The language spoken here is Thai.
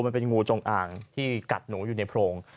มันเป็นงูจงอ่างที่กัดหนูอยู่ในโพรง